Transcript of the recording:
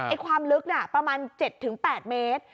ความลึกน่ะประมาณ๗๘เมตร